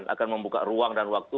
akan membuka ruang dan waktu